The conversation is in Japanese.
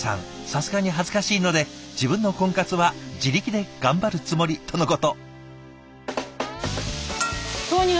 さすがに恥ずかしいので自分の婚活は自力で頑張るつもりとのこと。